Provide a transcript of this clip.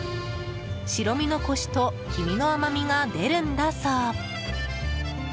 白身のコシと黄身の甘みが出るんだそう。